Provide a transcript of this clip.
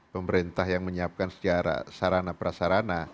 pemerintah yang menyiapkan secara sarana prasarana